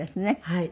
はい。